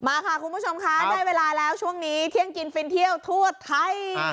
มาค่ะคุณผู้ชมค่ะได้เวลาแล้วช่วงนี้เที่ยงกินฟินเที่ยวทั่วไทย